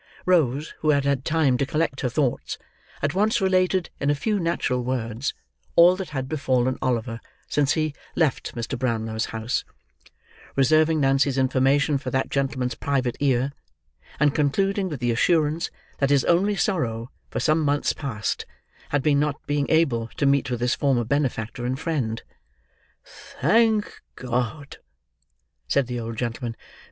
Rose, who had had time to collect her thoughts, at once related, in a few natural words, all that had befallen Oliver since he left Mr. Brownlow's house; reserving Nancy's information for that gentleman's private ear, and concluding with the assurance that his only sorrow, for some months past, had been not being able to meet with his former benefactor and friend. "Thank God!" said the old gentleman.